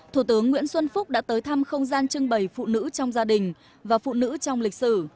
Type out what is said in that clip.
thủ tướng nguyễn xuân phúc đã tới thăm không gian trưng bày phụ nữ trong gia đình và phụ nữ trong lịch sử